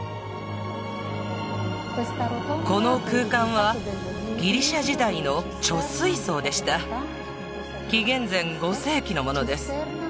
この空間はギリシア時代の貯水槽でした紀元前５世紀のものです